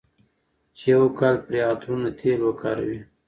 چې يو کال پرې عطرونه، تېل وکاروي،